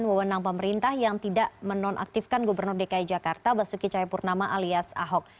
mewenang pemerintah yang tidak menonaktifkan gubernur dki jakarta basuki cahayapurnama alias ahok